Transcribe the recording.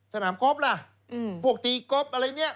สนามกอล์ฟล่ะพวกตีก๊อบอะไรเนี่ย